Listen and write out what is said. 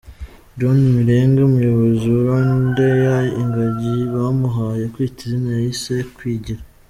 John Mirenge, Umuyobozi wa Rwandair ingagi bamuhaye kwita izina yayise “Kwigira”.